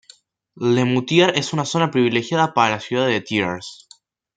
Le Moutier es una zona privilegiada para la ciudad de Thiers.